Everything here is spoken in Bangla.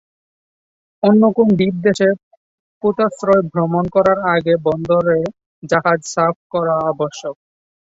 অন্য কোন দ্বীপ দেশে পোতাশ্রয় ভ্রমণ করার আগে বন্দরে জাহাজ সাফ করা আবশ্যক।